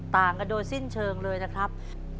ต่างกันโดยสิ้นเชิงเลยนะครับ